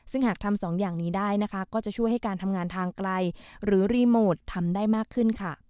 ซึ่งหากทำ๒อย่างเดียวกันก็ช่วยให้การทำงานทางไกลหรือเตือนโทรศัพท์ทำงานได้มากขึ้น